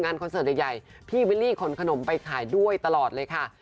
คอนเสิร์ตใหญ่พี่วิลลี่ขนขนมไปขายด้วยตลอดเลยค่ะ